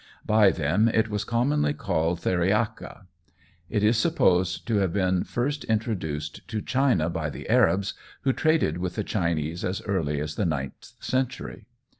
By them it was commonly called Theriaka. It is supposed to have been first introduced to China by the Arabs, who traded with the Chinese as early as the ninth century.